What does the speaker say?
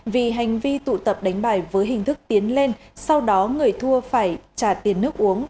vì hành vi tụ tập đánh bài với hình thức tiến lên sau đó người thua phải trả tiền nước uống